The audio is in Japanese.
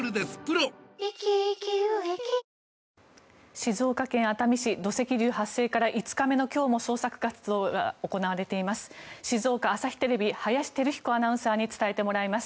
静岡県熱海市土石流発生から５日目の今日も捜索活動が行われています。